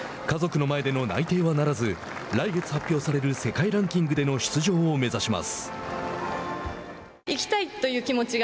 家族の前での内定はならず来月発表される世界ランキングでの出場を目指します。